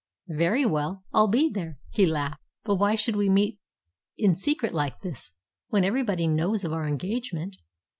"Very well, I'll be there," he laughed. "But why should we meet in secret like this, when everybody knows of our engagement?"